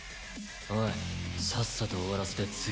おいさっさと終わらせて次へ行く。